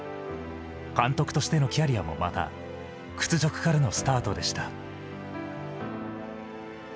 監督としてのキャリアもまた、屈辱からのスタートでした。